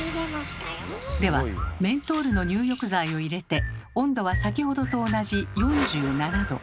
ではメントールの入浴剤を入れて温度は先ほどと同じ４７℃。